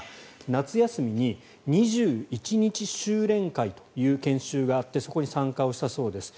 夏休みに２１日修練会という研修があってそこに参加をしたそうです。